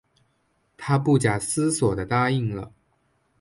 她不假思索地答应了